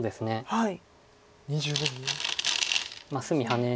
はい。